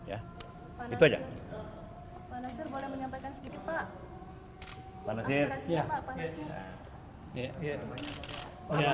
aspirasi yang disampaikan apa sih pak